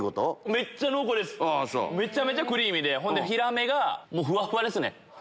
めちゃめちゃクリーミーでヒラメがふわっふわですね。